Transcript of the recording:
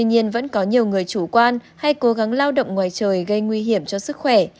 nắng lao động ngoài trời gây nguy hiểm cho sức khỏe